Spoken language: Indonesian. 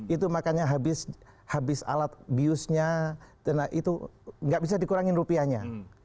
itu makanya habis alat biusnya itu nggak bisa dikurangin rupiahnya